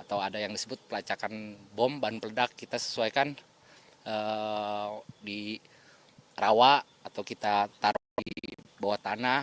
atau ada yang disebut pelacakan bom bahan peledak kita sesuaikan di rawa atau kita taruh di bawah tanah